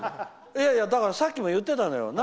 いやいや、だからさっきも言ってたのよ。